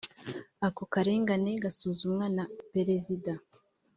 Ako karengane gasuzumwa na Perezida